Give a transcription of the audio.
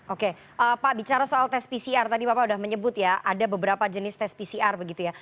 oke pak bicara soal tes pcr tadi bapak sudah menyebut ya ada beberapa jenis tes pcr begitu ya